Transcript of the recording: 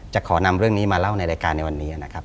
จะขอนำเรื่องนี้มาเล่าในรายการในวันนี้นะครับ